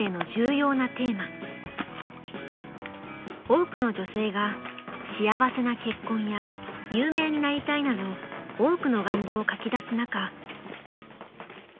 ［多くの女性が幸せな結婚や有名になりたいなど多くの願望を書き出す中］